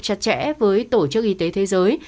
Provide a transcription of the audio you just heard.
chặt chẽ với tổ chức y tế thế giới